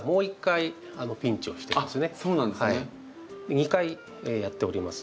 ２回やっております。